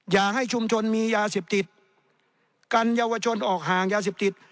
อย่าให้ชุมชนมียาเสพติดกันเยาวชนออกห่างยาเสพติด